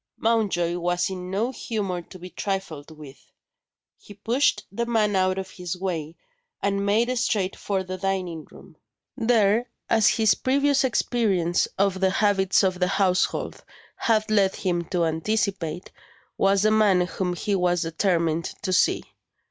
Mountjoy was in no humour to be trifled with. He pushed the man out of his way, and made straight for the dining room. There, as his previous experience of the habits of the household had led him to anticipate, was the man whom he was determined to see.